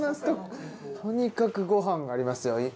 とにかくごはんがありますよ